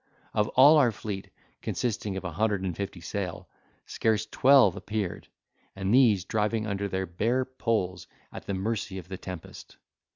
Of all our fleet, consisting of a hundred and fifty sail, scarce twelve appeared, and these driving under their bare poles, at the mercy of the tempest.